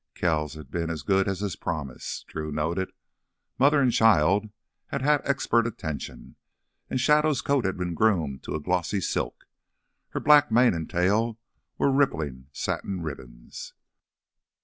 Kells had been as good as his promise, Drew noted. Mother and child had had expert attention, and Shadow's coat had been groomed to a glossy silk; her black mane and tail were rippling satin ribbons.